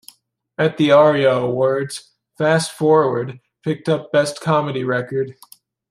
At the Aria Awards "Fast Forward" picked up Best Comedy Record.